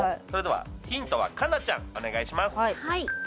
それではヒントはかなちゃんお願いします